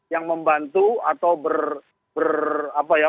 yang membantu atau ber apa ya